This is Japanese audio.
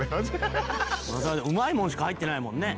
「うまいもんしか入ってないもんね」